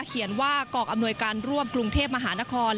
เขียนว่ากองอำนวยการร่วมกรุงเทพมหานคร